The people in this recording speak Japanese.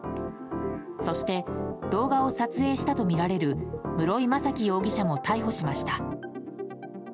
そして動画を撮影したとみられる室井大樹容疑者も逮捕しました。